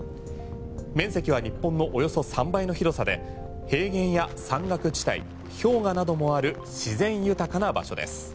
面積は日本のおよそ３倍の広さで平原や山岳地帯氷河などもある自然豊かな場所です。